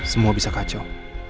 semua bisa kacau